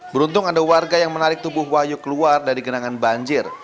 beruntung ada warga yang menarik tubuh wahyu keluar dari genangan banjir